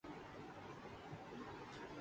آپ کو دیکھ کر بہت خوشی ہوئی